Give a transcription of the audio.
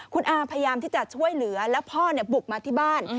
คุณอาพยายามที่จะช่วยเหลือแล้วพ่อบุกมาที่บ้าน